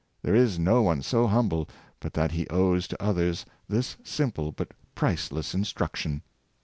There is no one so humble, but that he owes to others this simple but priceless instruction.